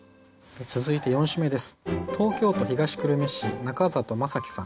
続いて４首目です。